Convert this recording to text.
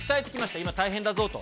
今、大変だぞと。